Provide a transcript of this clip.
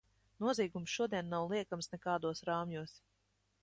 Noziegums šodien nav liekams nekādos rāmjos.